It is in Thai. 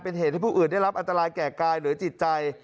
เป็นเหตุให้ผู้อื่นได้รับอันตรายแก่กายหรือจิตใจ